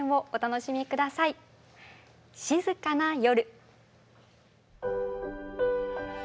「静かな夜」。